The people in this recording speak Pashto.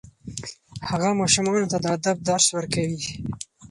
هغه ماشومانو ته د ادب درس ورکوي.